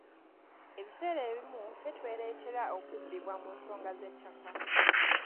Ebiseera ebimu ffe twereetera okubbibwa mu nsonga z'ettaka.